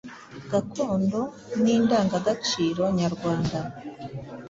gakondo n’indangagaciro nyarwanda.